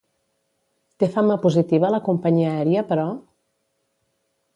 Té fama positiva la companyia aèria, però?